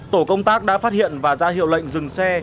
tổ công tác đã phát hiện và ra hiệu lệnh dừng xe